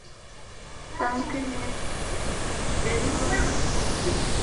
তামিমকে নিয়ে টুইট করেছে Australia, England, ভারতের ক্রিকেট বোর্ডের অফিশিয়াল টুইটার পেজ।